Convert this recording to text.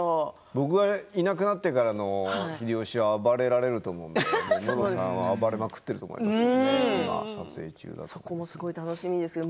僕がいなくなってからの秀吉は暴れられると思うのでムロさんは暴れまくってると思いますよ。